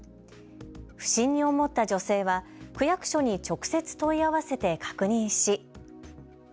不審に思った女性は区役所に直接問い合わせて確認し。